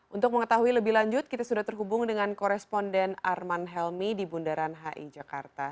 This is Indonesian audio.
untuk mengetahui lebih lanjut kita sudah terhubung dengan koresponden arman helmi di bundaran hi jakarta